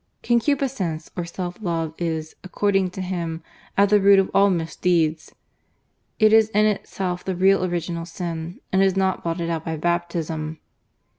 Concupiscence or self love is, according to him, at the root of all misdeeds. It is in itself the real original sin, and is not blotted out by Baptism.